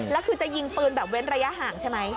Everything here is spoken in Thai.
แล้วคือจะยิงปืนแบบเว้นระยะห่างใช่ไหม